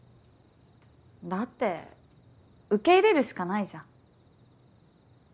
だって受け入れるしかないじゃん。